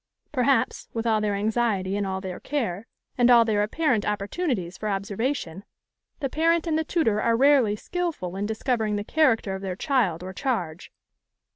Perhaps, with all their anxiety and all their care, and all their apparent opportunities for observation, the parent and the tutor are rarely skilful in discovering the character of their child or charge.